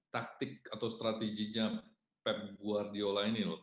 taktik atau strateginya pep guardiola ini loh